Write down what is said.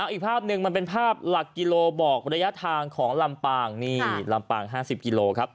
อีกภาพนึงมันเป็นภาพหลักกิโลบอกระยะทางของลำ่าง๕๐กิโล